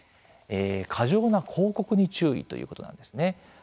過剰な広告に注意ということなんですね。